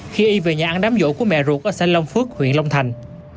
khi y về nhà ăn đám vỗ của mẹ ruột ở xã long phước huyện long thành